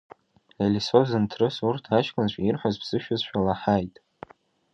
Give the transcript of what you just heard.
Елисо зынҭрыс урҭ аҷкәынцәа ирҳәоз ԥсышәазшәа лаҳаит.